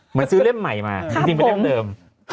เหมือนซื้อเล่มใหม่มาจริงเป็นเล่มเดิม